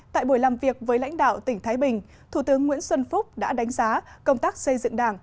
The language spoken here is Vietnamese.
tại buổi làm việc với lãnh đạo tỉnh thái bình thủ tướng nguyễn xuân phúc đã đánh giá công tác xây dựng đảng